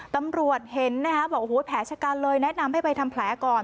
ตำรวจเห็นนะคะบอกโอ้โหแผลชะกันเลยแนะนำให้ไปทำแผลก่อน